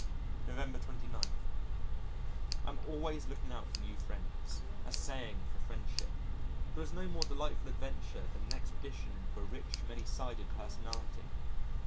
November 29. ... I am always looking out for new friends assaying for friendship.... There is no more delightful adventure than an expedition into a rich, many sided personality.